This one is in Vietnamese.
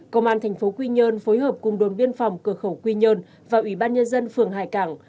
công an thành phố quy nhơn phối hợp cùng đồn biên phòng cửa khẩu quy nhơn và ủy ban nhân dân phường hải cảng